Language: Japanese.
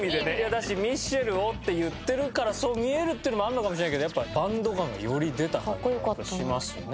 だしミッシェルをって言ってるからそう見えるっていうのもあるのかもしれないけどやっぱバンド感がより出た感じがしますね。